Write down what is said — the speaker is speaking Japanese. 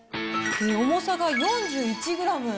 重さが４１グラム。